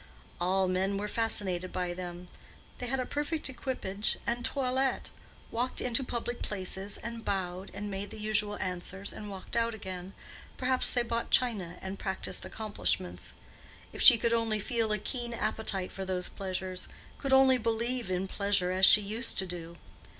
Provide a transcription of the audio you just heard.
All men were fascinated by them: they had a perfect equipage and toilet, walked into public places, and bowed, and made the usual answers, and walked out again, perhaps they bought china, and practiced accomplishments. If she could only feel a keen appetite for those pleasures—could only believe in pleasure as she used to do!